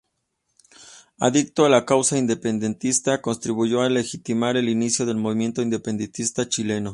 Adicto a la causa independentista, contribuyó a legitimar el inicio del movimiento independentista chileno.